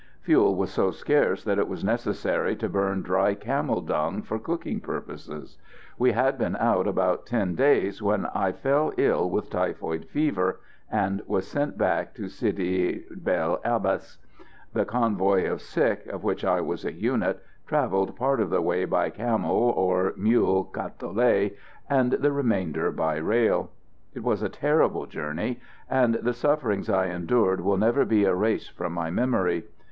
Fuel was so scarce that it was necessary to burn dry camel dung for cooking purposes. We had been out about ten days when I fell ill with typhoid fever, and was sent back to Sidi bel Abbes. The convoy of sick, of which I was a unit, travelled part of the way by camel or mule cacolet, and the remainder by rail. It was a terrible journey, and the sufferings I endured will never be erased from my memory.